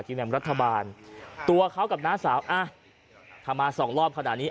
แหม่มรัฐบาลตัวเขากับน้าสาวอ่ะถ้ามาสองรอบขนาดนี้